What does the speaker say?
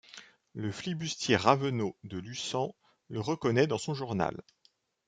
Le flibustier Raveneau de Lussan le reconnaît dans son Journal.